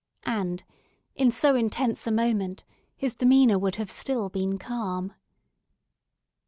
And, in so intense a moment his demeanour would have still been calm.